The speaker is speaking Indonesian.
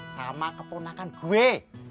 sama keponakan gue